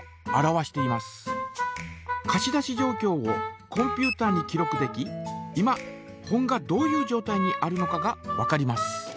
かし出しじょうきょうをコンピュータに記録でき今本がどういうじょうたいにあるのかがわかります。